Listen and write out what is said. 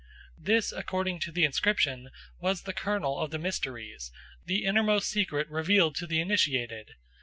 This, according to the inscription, was the kernel of the mysteries, the innermost secret revealed to the initiated.